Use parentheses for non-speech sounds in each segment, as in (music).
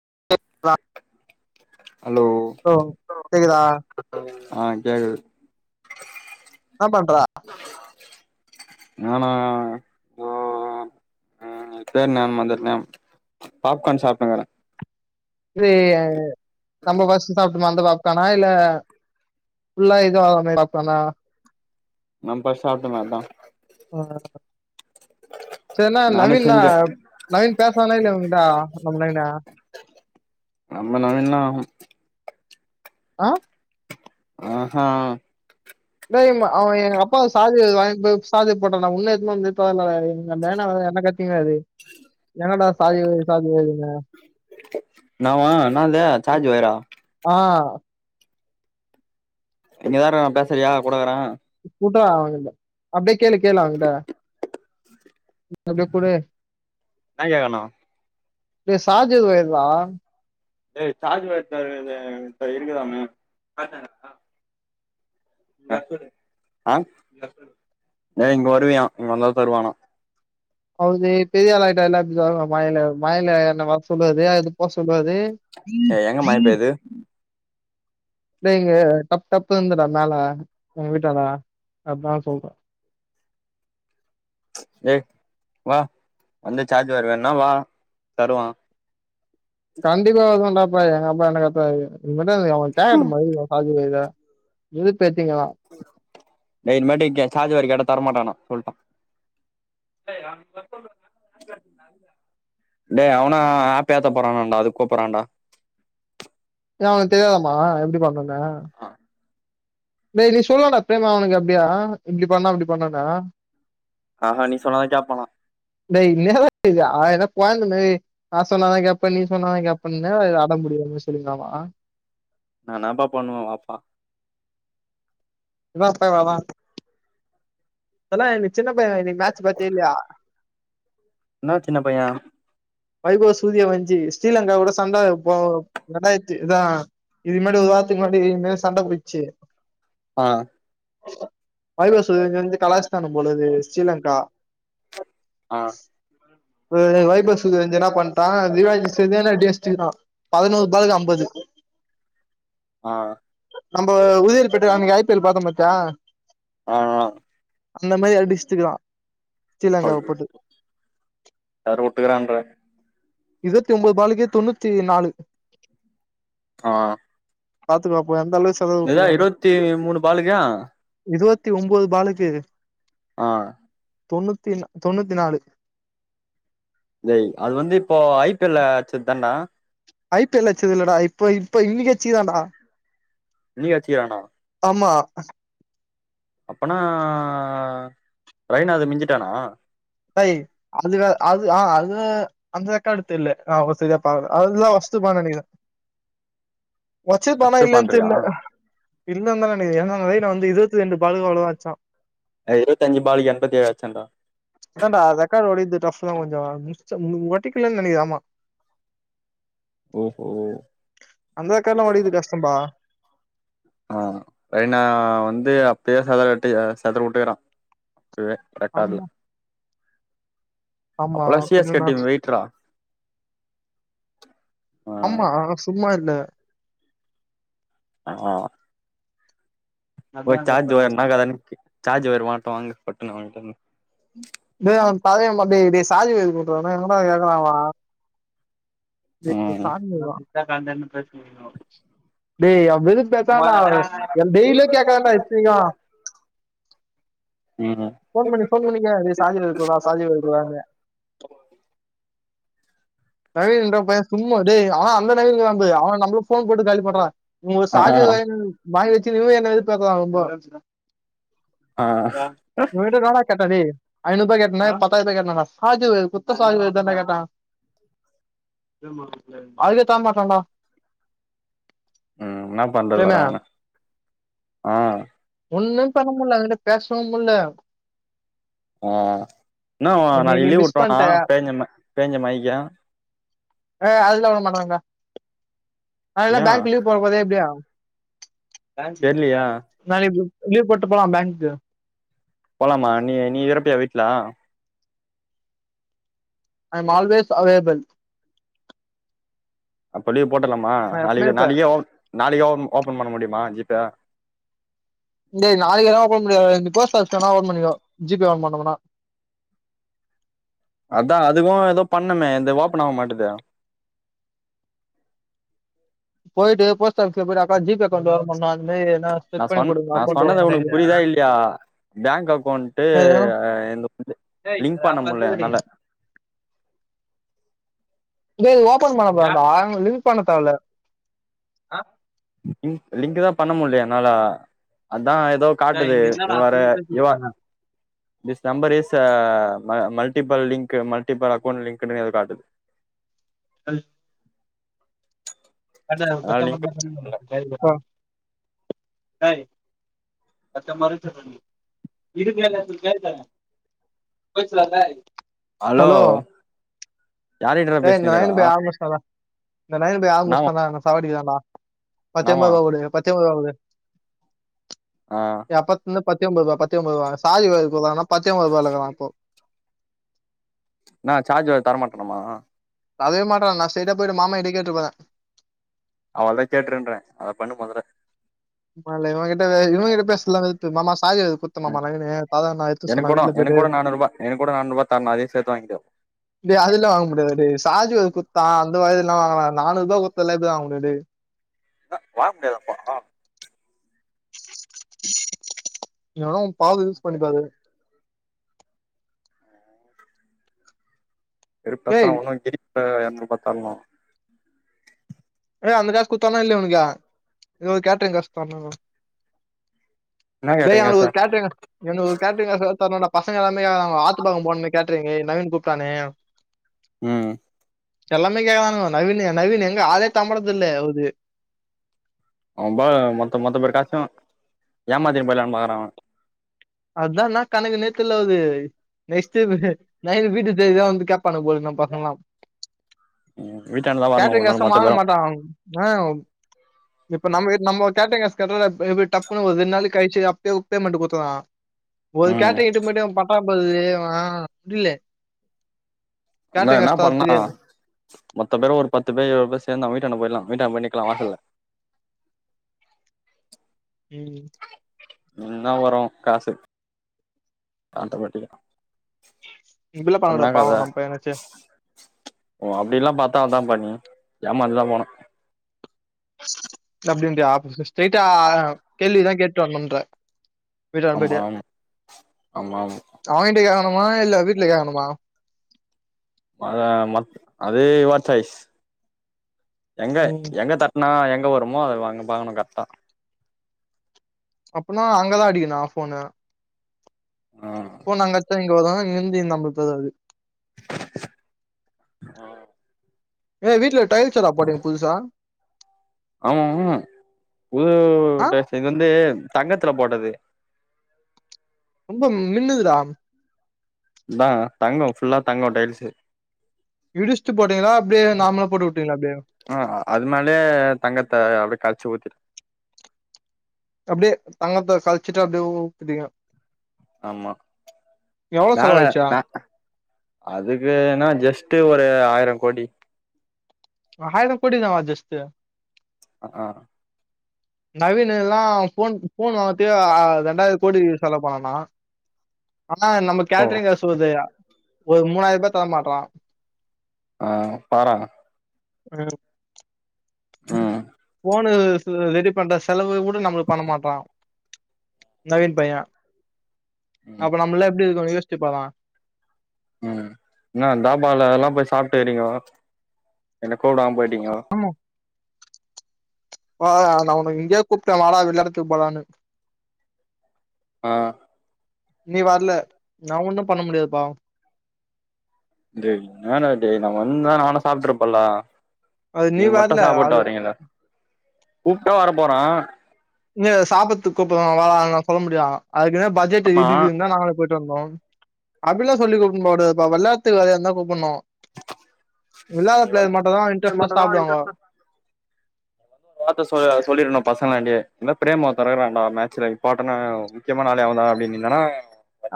(inaudible) Hello ஓ கேக்குதா அ கேக்குது என்ன பண்றா நானா இதோ ம் சேர் நம்ம அந்த நம் பாப்கார்ன் சாப்டமல்ல இது நம்ம ஃப்ஸ்டு சாப் ந்த பாத்தானா இல்ல உள்ள இது மாரி பாத்தானா நம்போய் சாப்டமே அத்தா அ செர்னா நானே நவீன்னா செஞ்ச நவீன் பேசாறானா இல்லியா வுங்ககிட் முன்னாடி நம்ம நவீனா அ ஆஹா அண்ணா அவே எங்கப்பாவ சார்ஜ் வொயரு வாங்கிட் போய் சார்ஜர் போட்டான்னா உன்‌னு எத்துனு வந்து எத்துனு வர்ல எங்க நைனா வேற என்ன கத்தினுக்காரு எங்கடா சார்ஜர் வொயரு சார்ஜர் வொயருனு என்னாவா என்னாது சார்ஜ் வொயரா ஆ இங்கதாருக்கா பேசுறியா குடுக்குற குடு அவ கிட்ட அப்டியே கேளு கேளு அவ கிட்ட அப்டியே குடு என்ன கேக்கறா டேய் சார்ஜர் வொயர்ரா டேய் சார்ஜ் வொய்ரு ப்ரவீனு உன்ட்ட இருக்குதாம்மே அ ஏ இங்க வருவியா இங்க வந்தா தா தருவானா அதாவ்து பெரியாளாய்ட்டாருல அப்டி சொல்லுவா வாய்ல வாய்ல எதுனா வர சொல்லுது அத போ சொல்லு வது ஏய் எங்க மழ பெய்து டேய் இங்க டப் டப்புனுதுடா மேல எங்க வீட்டான்ட அத்தா சொல்ற ஏ வா வந்து சார்ஜர் வேணுனா வா தருவா கண்டிப்பா வருவேடாப்பா எங்க அப்பா என்ன கத்துவாரு இனிமேட்டு அவே கேக்கட்டு (unintelligible) அவ சார்ஜரு இத இதுக் டேய் இன்மேட்டு கே சார்ஜர் கேட்ட தரமாட்டானா சொல்ட்டா (unintelligible) டேய் அவனு ஆப் ஏத்த போறானாடா அதுக் கூப்புறான்டா ஏன் அவனுக்கு தெரியாதாமா எப்டி பண்ணோன்னு டேய் நீ சொல்லான்டா பிரேமே அவனுக்கு அப்டியே இப்டி பண்ணோ அப்டி பண்ணோன்னு ஆஹா நீ சொன்னாதா கேப்பானா டேய் (unintelligible) ஏதோ கொழந்த மாரி நா சொன்னா தா கேப்பே நீ சொன்னா தா கேப்பேன்னு என்னாடா இது அடம்புடிக்கிற (unintelligible) சொல்லுவீங்களாமா நா நாப்பா பண்ணுவ வாப்பா இன்னா தகராறா அதெல்லா எனக்கு சின்ன பையனா நீ மேட்ச் பாத்தியா இல்லையா இன்னா சின்ன பைய வைபவ் சூரியவன்ஷி ஸ்ரீலங்கா கூட சண்ட போ ரெண்டாயிரத்தி தா இதுக் முன்னாடி ஒரு வாரத்துக்கு முன்னாடி இது மாரி சண்ட போயிச்சு ஆ வைபவ் சூரியவன்ஷிய வந்து கலாச்சுட்டானுங்க போலது ஸ்ரீலங்கா ஆ (unintelligible) வைபவ் சூரியவன்ஷி என்னா பண்ட்டா திவாங்கி செரியான அடி அஸ்ட்டுகுறா பதனோரு பாலுக்கு அம்பது ஆ நம்ப உதியோர் பேட்டைல அன்னைக்கி ஐ பி எல் பாத்தோ பாத்தியா (unintelligible) அந்த மாரி அடிஸ்ட்டுக்குறா ஸ்ரீலங்காவ போட்டு டர்ரு உட்டுகுறாண்ற இருவத்தி ஒம்போது பாலுக்கே தொன்னூத்தி நாலு ஆ பாத்துக்காப்போ எந்த அளவுக் இதா இருவத்தி மூணு பாலுக்கா தி ஒம்போது பாலுக்கேது ஆ தொண்ணூத்தி நா தொண்ணூத்தி நாலு ஜய் அது வந்து இப்போ ஐ பி எல்ல அச்சத் தான்டா ஐ பி எல்ல அச்சது இல்லடா இப்ப இப்ப இன்னிக்கே அச்சிக்கிறான்டா இன்னிக்கி அச்சிக்கிறானா ஆமா அப்பனா ரெய்னாது மிஞ்சிட்டானா டேய் அது வேற அது ஆ அத் து அந்த ரெக்காடு தெர்ல நா அவ்ளோ சரியா பாக்குல அதுதா ஒஷ்ட்டுப்பான்னு நெனைக்கிறே ஒச்சிருப்பானா ஃபர்ஸ்ட் இல்லையான் பண்றியா தெர்ல இ இல்லனுதா நெனைக்கிறே ஏனா ரெய்னா வந்து இருவத்தி ரெண்டு பாலுக்கு அவளோ தா அச்சா அ இருவத்தஞ்சு பாலுக்கு எண்பத்தி ஏழு அச்சான்டா அதான்டா ரெக்கார்டு ஓடைக்குறது டஃப்பு தா கொஞ்சோ (unintelligible) ஒடைக்குல்லன்னு நெனைக்கிறன் ஆமா ஓஹோ அந்த ரெக்காட்லா ஒடைக்குது கஷ்டம்பா ஆ ரெய்னா வந்து அப்பயே சதறட்டி அ செதற உட்டுக்குறா ரெ ரெக்காட்ல ஆமா ஆமா எஸ் பின்ன கே நா டீம் வெயிட்றா ஆ ஆமா சும்மா இல்ல ஆ ஒரு சார்ஜ் வேனா கடனுக்கு சார்ஜ் வேணுமாட்டுவாங்க பட்டுனு வாங்க்கனு (unintelligible) எங்கடா கேக்றானுவ டே ம் சாவி குர்றா (unintelligible) டே அவ வெறுப்பேத் (unintelligible) எம்பெய்லே கேக்கறான்டா இத்தனிக்கு ம் ஃபோன் பண்ணி கேளு டே சாவிய குர்றா சாவிய குர்றானு நவீன் என்ற பைய சும்மா டே அவா அந்த நவீனாம்பு அவன் நம்புளுக் ஃபோன் போட்டு காலி பண்றா நீ உ ஆ ஷார்ஜர் வாங்கிட் வாங்கி வச்சு இன்னு என்ன வெறுப்பேத்தறா ரொம்ப ஒரே ஆ நிம்ஷ இருடா த இவ கிட்ட ரோலாய் கேட்டா டேய் ஐநூபா கேட்டனா பத்தாயிருபா கேட்டனாடா சார்ஜ குத்த சார்ஜரதான்டா கேட்ட அதுக்கே தர மாட்றான் டா ம் என்னா பண்றது பாரு அவன ஆ ஒண்ணுமே பண்ண முடில அவங்கிட்ட பேசவு முடில அ என்ன நீ நாளைக்கு நீ லீவ் மிஸ் விட்ருவானா பண்ணிட்ட பேஞ்சம் பேஞ்ச மழைக்கு அ அதல்லா உட மாட்டாங்கடா அதல்லா ஏன் பேங்க் லீவ் போட போதே எப்டியு தெர்லியா நாளைக்கு லீவ் போட்டு போலா பேங்க்கு போலாமா நீ நீ இரப்பியா வீட்ல ஐம் ஆல்வேஸ் அவைலபில் அப்ப லீவ் போட்ரலாமா நாளை இருப்பேன் நாளைக் நாளைக்கே ஒ ஓபன் பண்ண முடியுமா ஜி பே டே நாளைக்லா ஓபன் பண்ண முடியாது நீ போஸ்ட் ஆபீஸ் லா வேனா ஓபன் பண்ணிக்கோ ஜி பே ஓபன் பண்ணனுனா அதா அதுக்கு ஏதோ பண்ணமே என்து ஓப்பன் ஆக மாட்டேது போயிட்டு போஸ்ட் ஆஃபீஸ் ல போய்ட்டு அக்கா ஜி பே அக்கவ்ண்டு ஓபன் பண்ணனு நா சொன் நா சொன்னது உனக்கு பண்ண புரியுதா இல்யா பேங்க் அக்கௌண்ட்டு என்து இது லிங்க் பண்ண முடில என்னால ம்பி இது ஓபன் பண்ணதான்டா லிங்க் பண்ண தேவ இல்ல லிங் லிங்க் தா பண்ண முடிலயே என்னால அன் தா ஏதோ காட்டுது you are a you are this number is ம மல்ட்டிபள் லிங்க் மல்ட்டிபள் அக்கௌண்ட் லிங்க்குனு காட்டுது அல் (unintelligible) அதனால லிங்க் பண்ண முடியல. அத்த மருச்ச (unintelligible) பொய் சொல்லாத எங்க ஹலோ (unintelligible) யாருகிட்டடா பேசினுக்குற நாமா சாவடிக்றான்டா நாமா பத்தெம்பதுருவா குடு பத்தெம்பது ருவா குடு ஆ எப்பத்துனந்து பத்தெம்பது ருவா பத்தெம்பது ருவா சாவிய வாங்கி குடறானா பத்தெம்பது ருபாயிலக்கறா போ என்னா சார்ஜர் தரமாட்டனாமா தரவே மாட்டா நா ஸ்ட்ரய்டா போய்ட்டு மாமா கிட்டயே கேட்ற போற அவளதா கேட்ருன்ற அத பண்ணு மொதல்ல ப்ப இவங்கிட்ட இவங்கிட்ட பேசல து மாமா சாஜர் குத்தணுமா நவீனு தாதா நா எடுத்து எனக்கு சொன்ன கூட வீட்ல போய்ட்டு எனக்கு கூட நானூறுபா எனக்கு கூட நானூறுபா தரணு அதையு சேத்து வாங்கிக்கோ டே அதுல்லா வாங்க முடியாது டே சாஜர் குத்தா அந்த வலைல என்ன வாங்கலா நானூருபா குத்து எல்லா எது வாங்க முடியாது டே என்ன வாங்க முடியாதா அப்போ எனோ பாவு யூஸ் பண்ணிபாரு (inaudible) வெருப்ப டேய் எத்தனை ஒண்ணு இப்ப பாத்தலா ஏய் அந்த காச குத்தானா இல்லயா உனக்கு இது கேட்ரிங் காசு தணு என்ன இய் கேட்டறீங்க அவனுக்கு சார் கேட்ரிங் என் கேட்ரிங் காசு தரணு டா பசங்க எல்லாமேங் ஆத்துபக்க போணுனு கேட்ரிங்கு நவீன் கூப்ட்டானு ம் எல்லாமே கேக்தானுகோ நவீனு நவீனு எங்க ஆளே தம்பழது இல்லயே உது அவம்பாரு மொத்த மொத்த பேரு காசு ஏமாத்தினு போயலானு பாக்குறா அவ அதா ன்னா கணக்குனு தெர்லது நெஸ்டு நைட் வீட்டு தேடிதா வந்து கேட்பானுங் போல நம பசங்லா ம் வீட்டாண்ட தான் வரணும் கேட்ரிங் ஒரு காச நாள் மொத்த வாங்க பேரும் மாட்டா ஆ இப்ப நம்ம நம்ம கேட்டரிங் காசு கேட்டா இப்ப டப்புன்னு ஒரு ரெண்டு நாளைக்கு கழிச்சு அப்பவே பேமெண்ட் கொடுத்துதா போது ம் கேட்டரிங் எடுத்து போய்ட்டு அவ பன்றா போல முடில என்ன என்ன பண்ணலா மொத்த பேரு ஒரு பத்து பேர் இருவது பேர் சேந்து அவ வீட்டாண்ட போயிலா போயிட்டு அங்க போய் நிக்கலா வாசல்ல ம் ன்ன வரு காசு அந்த பெட்டிக்க இப்டிலா பண்ணகூடாது பாவம் நம்ம பையனாச்சே ஓ அப்டி எல்லா பாத்தா அதா பண்ணி ஏமாந்துதா போனு அப்டின்றியா ஸ்ட்ரைட் ஆ கேள்விதா கேட்டு வருணுன்ற விட்டா ஆமா போயிட்டு ஆமா ஆமா ஆமா அவங்கிட்ட கேகணுமா இல்ல வீட் ல கேகணுமா? அத அது யுவர் சாய்ஸ் எங்க ம் எங்க தட்னா எங்க வருமோ அத அங்க பாக்கணு கர்ட்டா அப்பனா அங்கதா அடிக்கனா போனு போன் அங்கத்த தா இங்கந்து நம்பப்பது அது ஏ வீட்ல டைல்ஸ் எதா போட்றிங்க புதுசா ஆமா புது ஆ டைல்ஸ் இது வந்து தங்கத்துல போட்டது ரொம்ப மின்னுதுடா அதா தங்க ஃபுல்லா தங்க டைல்ஸ் இடிச்ட்டு போட்டீங்களா அப்டியே நாமளா போட்டு விட்டீங்களா அப்டி ஆ அது மேலயே தங்கத்த அப்டி கரச்சு ஊத்திட் அப்டி தங்கத்த சழிச்சுட்டு அப்டியே ஊத்திட்டிங்க ஆமா மேல செலவாயிடுச்சு அதுக்குன்னா ஜஸ்ட் ஒ ஒரு ஆயிர கோடி ஹாயிரங்கோடி னவா ஜஸ்ட் ஆ நவீன எல்லா ஃபோன் ஃபோன் வாங்கத்த ரெண்டாயி கோடி செலவு பண்ணானா ஆனா நம்ம ஓ கேட்டரிங் அசுவது ஒரு மூணாயி ரூபா தர மாட்றா ஆ பாற ம் ம் போனு ரெடி பண்ற செலவு கூட நம்மளுக் பண்ண மாட்றா நவீன் பைய ம் அப்ப நம்மல்லா எப்டி இருக்கும்னு யோசிச்சுப்பார ம் என்ன தாபால எல்லா போய் சாப்ட்டு வரீங்கோ என்ன கூப்டாம போயி ரிங்கோ ஆ நா உன இங்கயே கூப்டே வாடா வெள்ளைடத்து போலானு ஆ நீ வரல நா ஒண்ணும் பண்ண முடியாதுப்பா டேய் என்னாடா டேய் நம்ம வந்துந்தா நானு சாப்பிட்ருப்பேல அது நீ மட்டு வரல சாப்பிட்டு அது வரீங்கள கூப்ட்டா வர போறே இங்க சாப்பறதுக்கு கூப்புடுறா வாடா நா சொல்ல முடியா அதுக்குதா பட்ஜெட் ஆமா இடிக்குதுந்தா நாங்களே போயிட்டு வந்தோ அப்டிலா சொல்லி கூப்னு போகூடாதுப்பா வெளாத்துக்கு வரியானுதா கூப்பனு விளாட்ற நீ ப்ளேயர் வந்து மட்டும்தா இது இன்ட்ரெஸ்ட்டா சாப்டுவாங்க வார்த்த சொ சொல்லிரணு பசங்கள்ட்டயே இதுமாரி ப்ரேம்னு ஒருத்தே இருகுறாண்டா மேட்ச்ல இம்பார்டனா முக்கியமான ஆளு அவந்தா அப்டின்னனா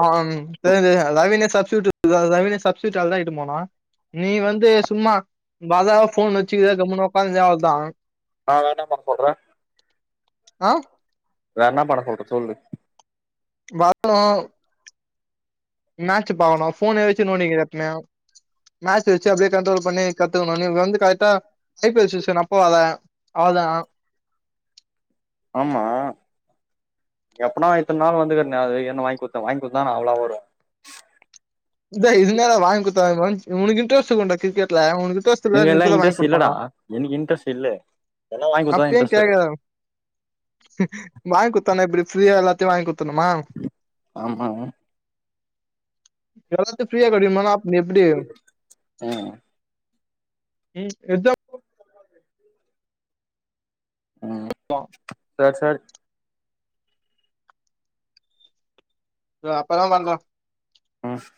ஆம் தெரியு தெரியு ரவினு சப்டூட் (inaudible) ரவினு சப்டூட் ஆளதா இட்டுனு போனோ நீ வந்து சும்மா பாதாவா போன் வச்சுக்கத கம்முனு உக்காந்துர அவ்ளதா நா வேணானா சொல்றே ஆ வேற என்ன பண்ண சொல்ற சொல்லு வரணு மேட்ச் பாக்கணு போனயே வச்சு நோன்டினு (unintelligible) மேட்ச வச்சு அப்படியே கண்ட்ரோல் பண்ணி கத்துக்கணு நீ வந்து கரக்டா ஐ பி எல் செக்சன் அப்போ வர அவ்ளோதா ஆமா எப்புனா இத்தன் நாள் வந்துக்குட்ருந்தே அது என்ன வாங்கிகுடுத்தே வாங்கி குடுத்தா நா அவ்ளோ (unintelligible) இத இதுனால வாங்கி கொடுத்தா உ உனக்கு இன்டரெஸ்ட் இருக்குனுன்டா கிரிக்கெட்ல உனக்கு இன்ட்ரெஸ்ட் நீங்க இல்ல எல்லா இப்பதா வாங்கி இன்ட்ரெஸ்ட் இல்லடா குடுப்பாங்க எனக்கு இன்ட்ரெஸ்ட் இல்ல எதனா வாங்கி குடுத்தாதா இன்ட்ரெஸ்ட் இருக்கு வாங்க் குடுத்தானே எப்டி ஃப்ரீயா எல்லாத்தியு வாங்க் குத் ஆமா எதாது ஃப்ரியா கெடைக்கணுனா ஆ ம் ம் சர் சர் து அப்பதா வரது ம்